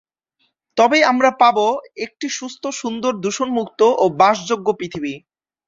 তবেই আমরা পাবো একটি সুস্থ, সুন্দর, দূষণমুক্ত ও বাসযোগ্য পৃথিবী।